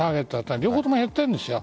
両方とも減っているんですよ。